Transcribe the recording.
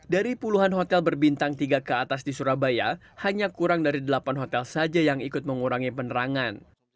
dari puluhan hotel berbintang tiga ke atas di surabaya hanya kurang dari delapan hotel saja yang ikut mengurangi penerangan